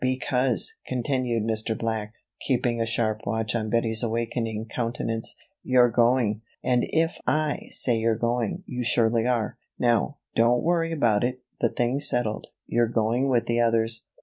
"Because," continued Mr. Black, keeping a sharp watch on Bettie's awakening countenance, "you're going. And if I say you're going, you surely are. Now, don't worry about it the thing's settled. You're going with the others."